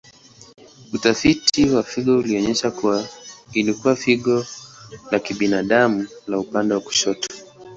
Utafiti wa figo ulionyesha kuwa ilikuwa figo la kibinadamu la upande wa kushoto.